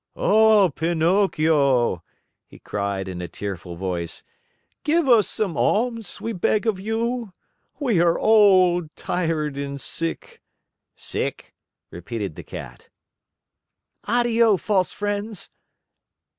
"Oh, Pinocchio," he cried in a tearful voice. "Give us some alms, we beg of you! We are old, tired, and sick." "Sick!" repeated the Cat. "Addio, false friends!"